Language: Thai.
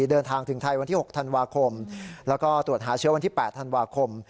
เดินทางถึงไทยวันที่๖ธันวาคมแล้วก็ตรวจหาเชื้อวันที่๘ธันวาคม